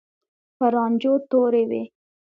په رانجو تورې وې.